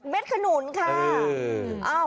เป็นขนุนค่ะ